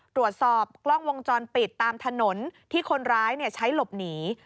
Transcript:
ตรวจสอบกล้องวงจรปิดตามถนนที่คนร้ายใช้หลบหนี